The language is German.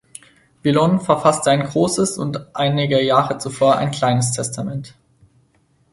Villon verfasste ein "Großes" und einige Jahre zuvor ein "Kleines Testament".